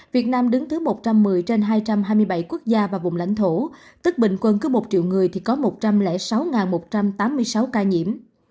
việt nam đứng thứ một trăm một mươi trên hai trăm hai mươi bảy quốc gia và vùng lãnh thổ tức bình quân cứ một triệu người thì có một trăm linh sáu một trăm tám mươi sáu ca nhiễm